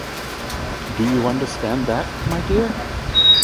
Do you understand that, my dear?